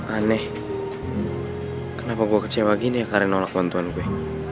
aneh kenapa gue kecewa gini ya karena nolak bantuan gue